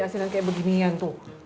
asinan kayak beginian tuh